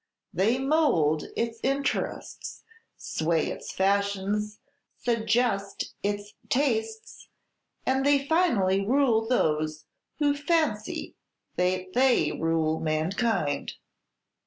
They mould its interests, sway its fashions, suggest its tastes, and they finally rule those who fancy that they rule mankind."